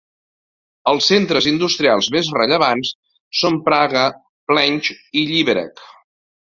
Els centres industrials més rellevants són Praga, Plzeň i Liberec.